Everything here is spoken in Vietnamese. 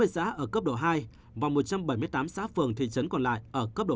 hai mươi xã ở cấp độ hai và một trăm bảy mươi tám xã phường thị trấn còn lại ở cấp độ